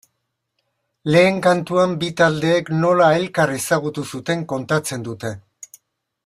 Lehen kantuan bi taldeek nola elkar ezagutu zuten kontatzen dute.